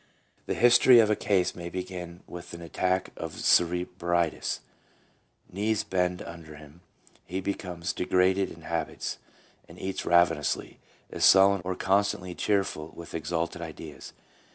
The history of a case may begin with an attack of cerebritis, knees bend under him, he becomes de graded in habits and eats ravenously, is sullen, or constantly cheerful with exalted ideas.